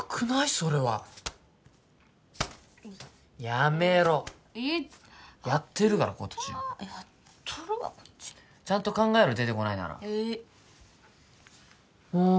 それはやめろ痛っやってるからこっちはあっ痛ったやっとるがこっちちゃんと考えろ出てこないならはいああ